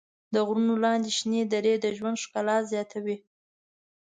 د غرونو لاندې شنې درې د ژوند ښکلا زیاتوي.